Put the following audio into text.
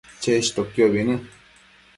cheshtoquiobi në